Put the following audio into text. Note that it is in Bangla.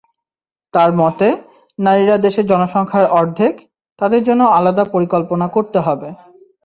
তাঁর মতে, নারীরা দেশের জনসংখ্যার অর্ধেক, তাদের জন্য আলাদা পরিকল্পনা করতে হবে।